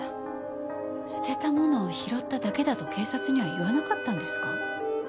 捨てたものを拾っただけだと警察には言わなかったんですか？